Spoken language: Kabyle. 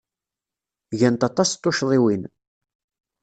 Gant aṭas n tuccḍiwin.